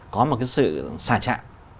có một cái sự xả chặn